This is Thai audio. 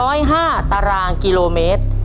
ตัวเลือกที่สาม๓๐๕ตารางกิโลเมตร